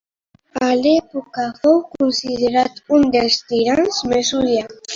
A l'època fou considerat un dels tirans més odiats.